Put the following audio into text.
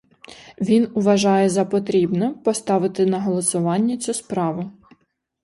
Він уважає за потрібне поставити на голосування цю справу.